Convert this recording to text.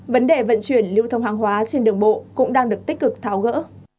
vấn đề vận chuyển lưu thông hàng hóa trên đường bộ cũng đang được tích cực tháo gỡ